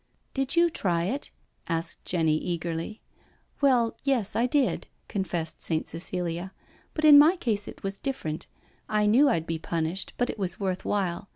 " Did you try it?" asked Jepny eagerly. " Well, yes, I did," confessed Saint Cecilia, " but in my case it was different. I knew I'd be punished, but it was worth while.